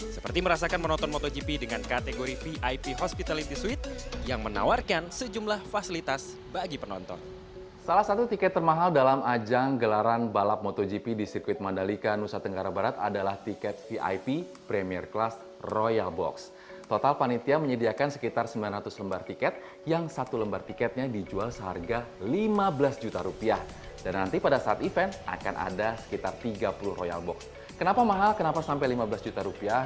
seperti merasakan menonton moto gp dengan kategori vip hospitality suite yang menawarkan sejumlah fasilitas bagi penonton